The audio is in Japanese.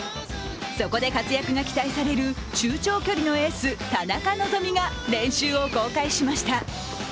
そこで活躍が期待される中長距離のエース、田中希実が練習を公開しました。